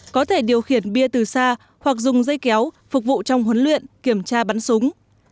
có thể điều khiển bia từ xa hoặc dùng dây kéo phục vụ trong huấn luyện kiểm tra bắn súng